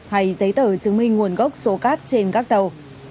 hay giấy tờ chứng minh nguồn gốc số cát trên các tàu